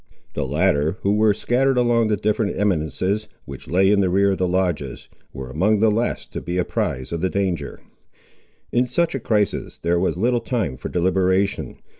The latter, who were scattered along the different little eminences, which lay in the rear of the lodges, were among the last to be apprized of the danger. In such a crisis there was little time for deliberation.